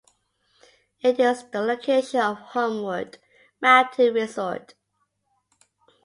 It is the location of Homewood Mountain Resort.